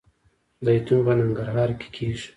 زیتون په ننګرهار کې کیږي